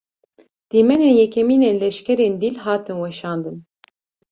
Dîmenên yekemîn ên leşkerên dîl, hatin weşandin